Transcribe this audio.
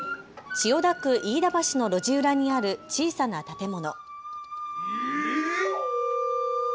千代田区飯田橋の路地裏にある小さな建物。